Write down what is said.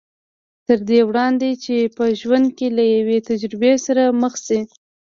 تر دې وړاندې چې په ژوند کې له يوې تجربې سره مخ شي.